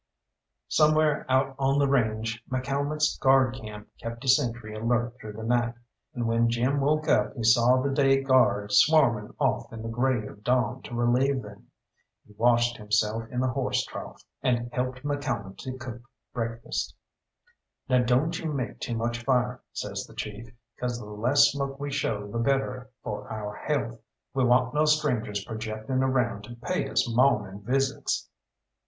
Somewhere out on the range McCalmont's guard camp kept a sentry alert through the night, and when Jim woke up he saw the day guard swarming off in the grey of dawn to relieve them. He washed himself in the horse trough, and helped McCalmont to cook breakfast. "Now don't you make too much fire," says the chief, "'cause the less smoke we show the better for our health. We want no strangers projecting around to pay us mawning visits."